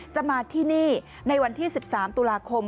จะมาที่นี่ในวันที่๑๓ตุลาคม